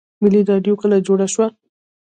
ملي راډیو کله جوړه شوه؟